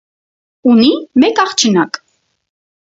Ունի մեկ աղջնակ։